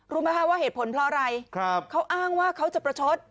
รู้ไหมคะว่าเหตุผลเพราะอะไรเขาอ้างว่าเขาจะประชด